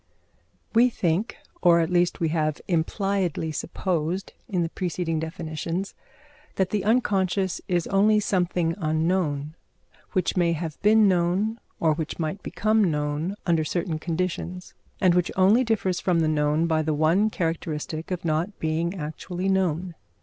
We think, or at least we have impliedly supposed in the preceding definitions, that the unconscious is only something unknown, which may have been known, or which might become known under certain conditions, and which only differs from the known by the one characteristic of not being actually known.